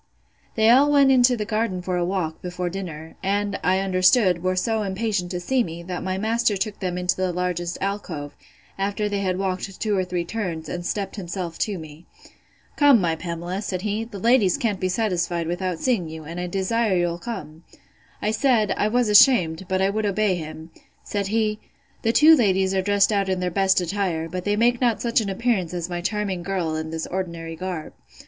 They all went into the garden for a walk, before dinner; and, I understood, were so impatient to see me, that my master took them into the largest alcove, after they had walked two or three turns, and stept himself to me. Come, my Pamela, said he, the ladies can't be satisfied without seeing you, and I desire you'll come. I said, I was ashamed; but I would obey him. Said he, The two young ladies are dressed out in their best attire; but they make not such an appearance as my charming girl in this ordinary garb.